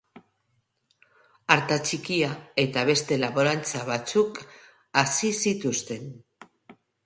Artatxikia eta beste laborantza batzuk hazi zituzten.